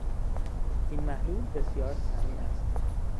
این محلول بسیار سمی است